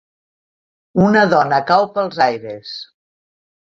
Una dona cau pels aires.